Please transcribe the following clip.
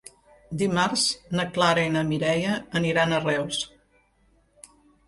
Dimarts na Clara i na Mireia aniran a Reus.